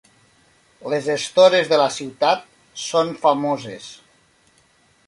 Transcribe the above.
Les estores de la ciutat són famoses.